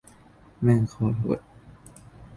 แม่มโคตรโหด